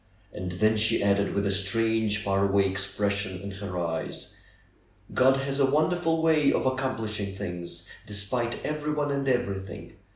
And then she added, with a strange, far away expression in her eyes : ^^God has a wonderful way of accomplishing things, despite everyone and everything.